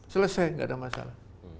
selesai gak ada masalah